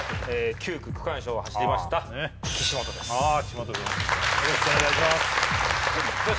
９区区間賞を走りました岸本ですああ